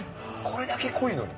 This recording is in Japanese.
これだけ濃いのに。